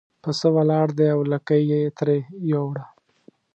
پسه ولاړ دی او لکۍ یې ترې یووړه.